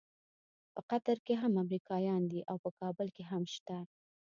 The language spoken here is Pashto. په قطر کې هم امریکایان دي او په کابل کې هم شته.